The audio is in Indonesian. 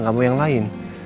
gak mau yang lain